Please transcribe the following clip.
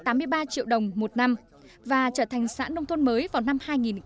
triệu đồng một năm và trở thành sản nông thôn mới vào năm hai nghìn một mươi năm